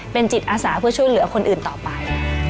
เป็นจิตอาสาเพื่อช่วยเหลือคนอื่นต่อไป